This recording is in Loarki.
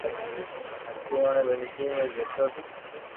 ھتي اوڻي زندگي مون جيتو دوک